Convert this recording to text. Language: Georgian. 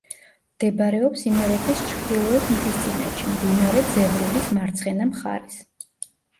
მდებარეობს იმერეთის ჩრდილოეთ მთისწინეთში, მდინარე ძევრულის მარცხენა მხარეს.